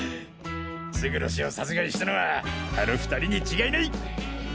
勝呂氏を殺害したのはあの２人に違いない！